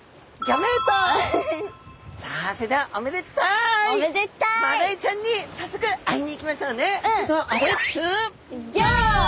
マダイちゃんにさっそく会いに行きましょうね。